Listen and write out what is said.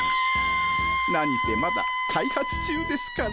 何せまだ開発中ですから。